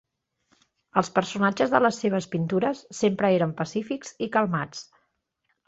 Els personatges de les seves pintures sempre eren pacífics i calmats.